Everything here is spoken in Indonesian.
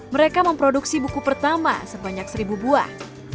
mereka memproduksi buku pertama sebanyak seribu buah